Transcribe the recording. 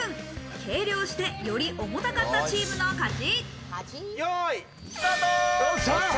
計量して、より重たかったチームの勝ち。